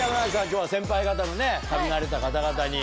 今日は先輩方旅慣れた方々に。